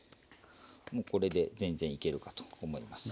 もうこれで全然いけるかと思います。